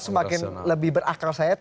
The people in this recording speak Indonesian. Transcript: semakin lebih berakal sehat